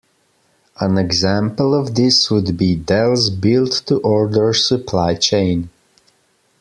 An example of this would be Dell's build to order supply chain.